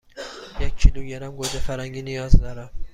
یک کیلوگرم گوجه فرنگی نیاز دارم.